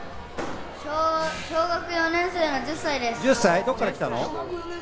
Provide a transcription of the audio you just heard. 小学４年生の１０歳です。